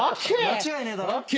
間違いねえだろ。